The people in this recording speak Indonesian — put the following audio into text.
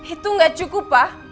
itu gak cukup pak